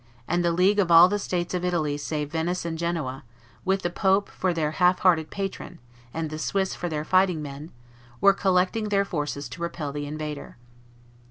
and the league of all the states of Italy save Venice and Genoa, with the pope for their half hearted patron, and the Swiss for their fighting men, were collecting their forces to repel the invader.